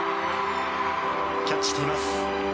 キャッチしています。